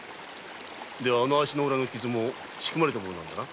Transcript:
では足の裏の傷も仕組まれたものなのだな？